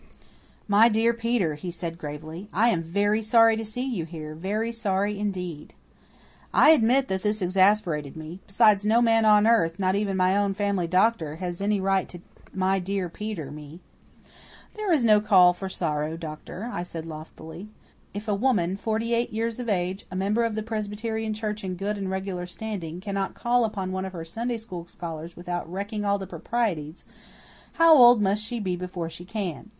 "My dear Peter," he said gravely, "I am VERY sorry to see you here very sorry indeed." I admit that this exasperated me. Besides, no man on earth, not even my own family doctor, has any right to "My dear Peter" me! "There is no loud call for sorrow, doctor," I said loftily. "If a woman, forty eight years of age, a member of the Presbyterian church in good and regular standing, cannot call upon one of her Sunday School scholars without wrecking all the proprieties, how old must she be before she can?"